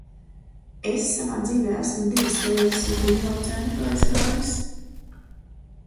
Es savā dzīvē esmu divas reizes uz Bingo centru aizgājis.